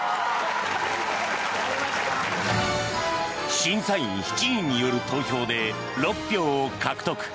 審査員７人による投票で６票を獲得。